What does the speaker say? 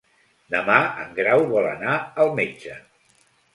Demà en Grau vol anar al metge.